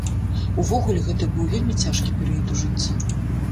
Увогуле, гэта быў вельмі цяжкі перыяд у жыцці.